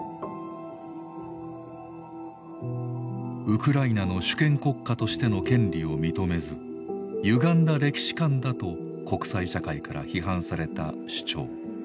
ウクライナの主権国家としての権利を認めずゆがんだ歴史観だと国際社会から批判された主張。